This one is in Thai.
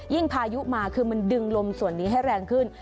พายุมาคือมันดึงลมส่วนนี้ให้แรงขึ้น